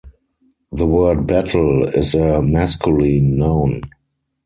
The word battle is a masculine noun.